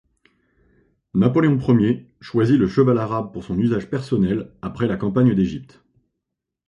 Napoléon Ier choisit le cheval arabe pour son usage personnel après la campagne d'Égypte.